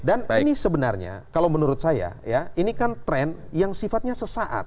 dan ini sebenarnya kalau menurut saya ya ini kan tren yang sifatnya sesaat